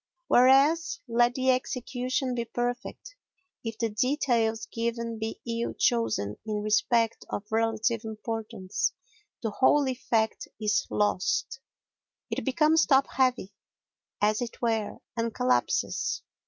Whereas, let the execution be perfect, if the details given be ill chosen in respect of relative importance the whole effect is lost—it becomes top heavy, as it were, and collapses.